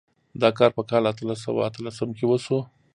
دا کار په کال اتلس سوه اتلسم کې وشو.